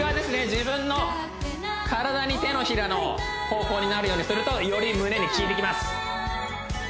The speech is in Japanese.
自分の体に手のひらの方向になるようにするとより胸に効いてきます